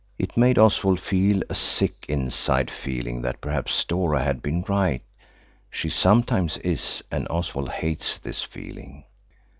It made Oswald feel a sick inside feeling that perhaps Dora had been right. She sometimes is–and Oswald hates this feeling.